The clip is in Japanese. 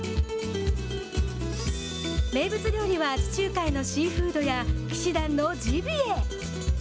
名物料理は、地中海のシーフードや騎士団のジビエ。